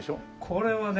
これはね。